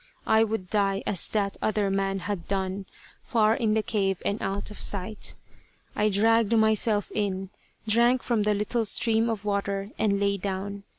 I would die as that other man had done, far in the cave and out of sight. I dragged myself in, drank from the little stream of water, and lay down.